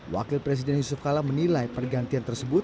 wakil presiden yusuf kala menilai pergantian tersebut